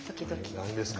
何ですか？